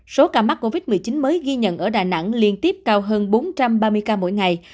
số ca mắc covid một mươi chín mới ghi nhận ở đà nẵng liên tiếp cao hơn bốn trăm ba mươi ca mỗi ngày